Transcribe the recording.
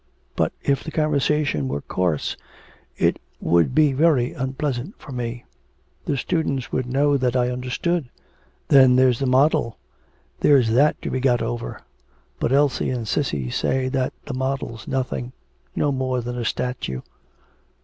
But if the conversation were coarse it would be very unpleasant for me; the students would know that I understood... Then there's the model, there's that to be got over. But Elsie and Cissy say that the model's nothing; no more than a statue.'